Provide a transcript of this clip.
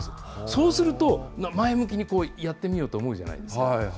そうすると、前向きにやってみようと思うじゃないですか。